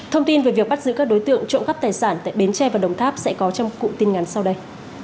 thông tin về việc bắt giữ các đối tượng trộm cắp tài sản tại bến tre và đồng tháp sẽ có trong cụm tin ngắn sau đây